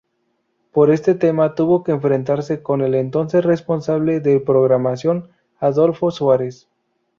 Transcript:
Por este tema tuvo que enfrentarse con el entonces responsable de programación, Adolfo Suárez.